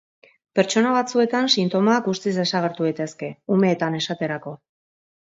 Pertsona batzuetan, sintomak guztiz desagertu daitezke, umeetan esaterako.